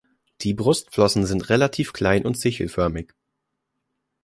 Die Brustflossen sind relativ klein und sichelförmig.